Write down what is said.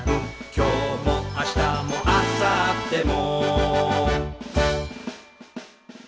「今日も明日もあさっても」